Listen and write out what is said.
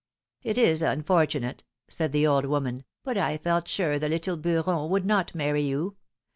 It is unfortunate,^^ said the old woman, but I felt sure the little Beuron would not many you.